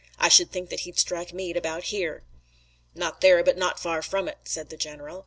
I should think that he'd strike Meade about here." "Not there, but not far from it," said the general.